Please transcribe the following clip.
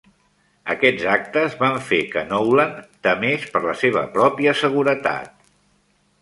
Aquests actes van fer que Knowland temés per la seva pròpia seguretat.